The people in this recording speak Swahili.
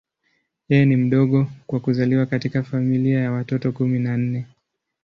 Yeye ni mdogo kwa kuzaliwa katika familia ya watoto kumi na nne.